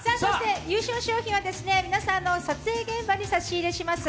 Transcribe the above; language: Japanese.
優勝賞品は皆さんの撮影現場に差し入れします